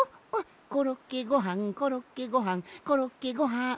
「コロッケごはんコロッケごはんコロッケごはん」